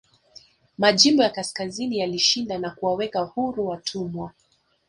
Majimbo ya kaskazini yalishinda na kuwaweka huru watumwa